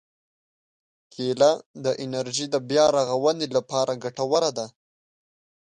کېله د انرژي د بیا رغونې لپاره ګټوره ده.